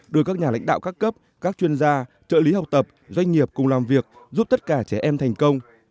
đưa các nhà lãnh đạo các cấp các chuyên gia trợ lý học tập doanh nghiệp cùng làm việc giúp tất cả trẻ em thành công